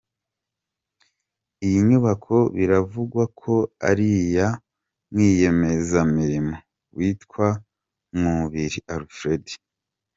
Iyi nyubako biravugwa ko ari iya rwiyemezamirimo witwa Nkubiri Alfred.